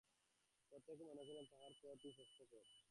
প্রত্যেকে মনে করেন, তাঁহার পথই শ্রেষ্ঠ পথ।